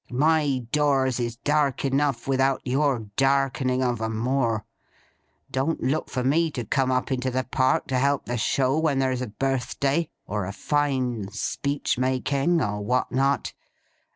My doors is dark enough without your darkening of 'em more. Don't look for me to come up into the Park to help the show when there's a Birthday, or a fine Speechmaking, or what not.